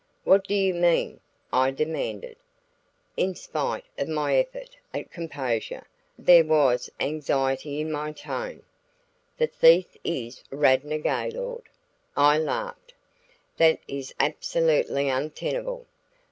"What do you mean?" I demanded. In spite of my effort at composure, there was anxiety in my tone. "The thief is Radnor Gaylord." I laughed. "That is absolutely untenable.